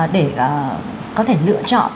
để có thể lựa chọn